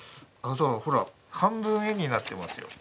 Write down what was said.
ほら半分絵になってますよ。